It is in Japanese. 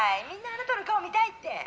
みんなあなたの顔見たいって」。